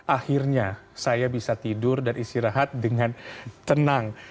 akhirnya saya bisa tidur dan istirahat dengan tenang